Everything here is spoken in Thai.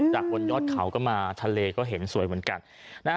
บนยอดเขาก็มาทะเลก็เห็นสวยเหมือนกันนะฮะ